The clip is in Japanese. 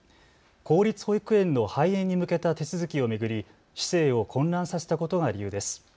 公立保育園の廃園に向けた手続きを巡り市政を混乱させたことが理由です。